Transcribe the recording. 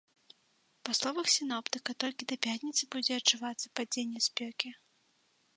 Па словах сіноптыка, толькі да пятніцы будзе адчувацца падзенне спёкі.